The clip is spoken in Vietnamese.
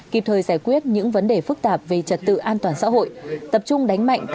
kính thưa quý vị và các bạn